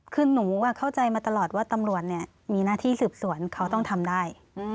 คือหนูเข้าใจมาตลอดว่าตำรวจมีหน้าที่สืบสวนเขาต้องทำได้